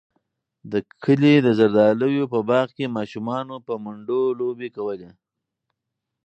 د کلي د زردالیو په باغ کې ماشومانو په منډو لوبې کولې.